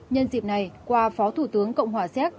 nhân dịp này qua phó thủ tướng cộng hòa xéc